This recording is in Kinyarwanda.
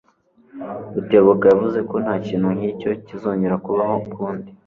Rutebuka yavuze ko ntakintu nkicyo kizongera kubaho ukundi.